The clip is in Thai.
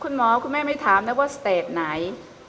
คุณหมอคุณแม่ไม่ถามนะว่าสเตรดไหน